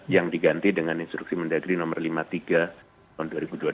yang diganti dengan instruksi menteri dalam negeri nomor lima puluh tiga tahun dua ribu dua puluh dua